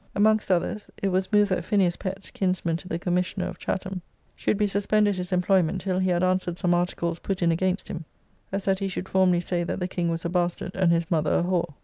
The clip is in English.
Amongst others, it was moved that Phineas Pett (kinsman to the Commissioner) of Chatham, should be suspended his employment till he had answered some articles put in against him, as that he should formerly say that the King was a bastard and his mother a whore.